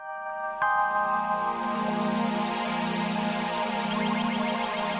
nggak ada be